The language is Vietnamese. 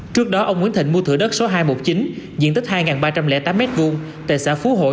trước đó ông nguyễn thịnh mua thửa đất số hai trăm một mươi chín diện tích hai ba trăm linh tám m hai tại xã phú hội